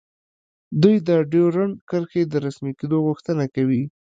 دوی د ډیورنډ کرښې د رسمي کیدو غوښتنه کوي